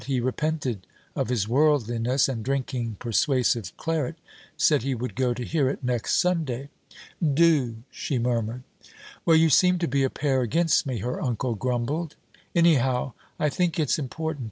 He repented of his worldliness, and drinking persuasive claret, said he would go to hear it next Sunday. 'Do,' she murmured. 'Well, you seem to be a pair against me,' her uncle grumbled. 'Anyhow I think it's important.